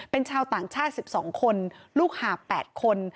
เป็นชาวต่างชาติ๑๒คนลูกหาบ๘คน